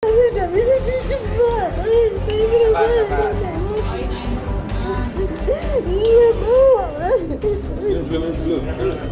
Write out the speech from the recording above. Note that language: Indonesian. saya tidak bisa mencoba saya tidak bisa